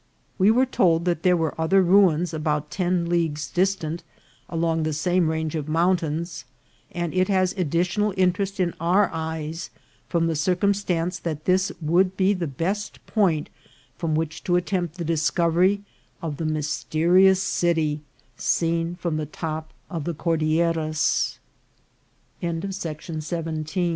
We were told that there were other ruins about ten leagues distant, along the same range of mountains ; and it has additional interest in our eyes, from the circumstance that this would be the best point from which to attempt the discovery of the mysterious city seen f